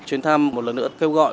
chuyến thăm một lần nữa kêu gọi